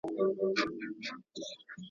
کوډي منتر سوځوم ..